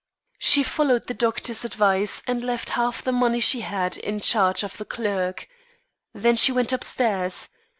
She followed the doctor's advice and left half the money she had, in charge of the clerk. Then she went upstairs.